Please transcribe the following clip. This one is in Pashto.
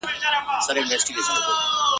یوه ورځ خره ته لېوه ویله وروره !.